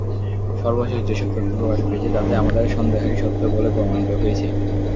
সর্বশেষ যেসব তথ্য প্রকাশ পেয়েছে, তাতে আমাদের সন্দেহই সত্য বলে প্রমাণিত হয়েছে।